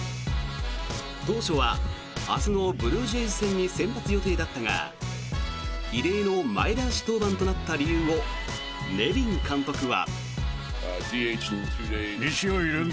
当初は明日のブルージェイズ戦に先発予定だったが異例の前倒し登板となった理由をネビン監督は。